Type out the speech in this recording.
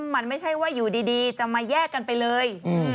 มันไม่ใช่ว่าอยู่ดีจะมาแยกกันไปเลย